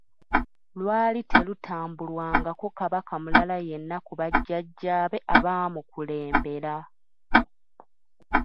Lwali terutambulwangako Kabaka mulala yenna ku bajjajaabe abaamukulembera.